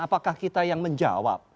apakah kita yang menjawab